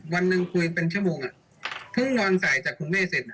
วันหนึ่งคุยเป็นชั่วโมงเพิ่งนอนจ่ายจากคุณแม่เสร็จ